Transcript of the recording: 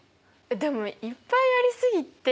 でもいっぱいありすぎて。